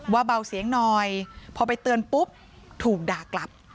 เบาเสียงหน่อยพอไปเตือนปุ๊บถูกด่ากลับ